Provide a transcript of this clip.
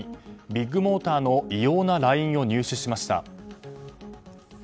ビッグモーターの異様なＬＩＮＥを入手しました。